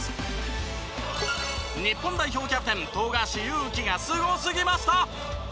日本代表キャプテン富樫勇樹がすごすぎました！